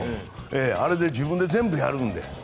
あれで自分で全部やるので。